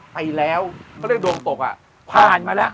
ไปแล้วเขาเรียกดวงตกอ่ะผ่านมาแล้ว